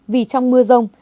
vì trong mưa rông